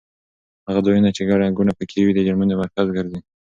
هغه ځایونه چې ګڼه ګوڼه پکې وي د جرمونو مرکز ګرځي.